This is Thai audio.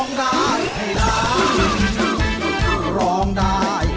คือร้องได้ให้ร้อง